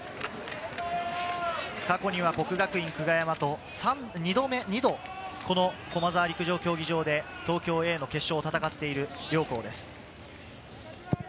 過去には國學院久我山と２度、駒沢陸上競技場で東京Ａの決勝を戦っている両校です。